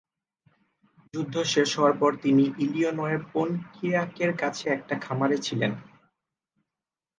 যুদ্ধ শেষ হওয়ার পর তিনি ইলিনয়ের পন্টিয়াকের কাছে একটা খামারে ছিলেন।